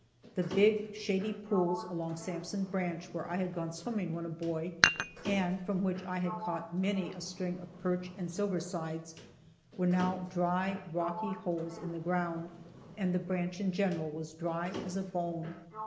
The big, shady pools along Sansom branch where I had gone swimming when a boy, and from which I had caught many a string of perch and silversides, were now dry, rocky holes in the ground, and the branch in general was dry as a bone.